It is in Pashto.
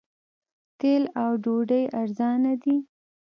تیل او ډوډۍ ارزانه دي.